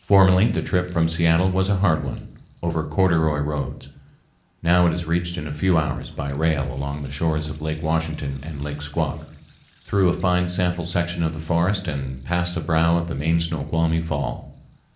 Formerly the trip from Seattle was a hard one, over corduroy roads; now it is reached in a few hours by rail along the shores of Lake Washington and Lake Squak, through a fine sample section of the forest and past the brow of the main Snoqualmie Fall.